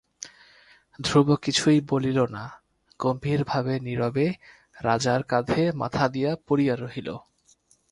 ধ্রুব কিছুই বলিল না, গম্ভীর ভাবে নীরবে রাজার কাঁধে মাথা দিয়া পড়িয়া রহিল।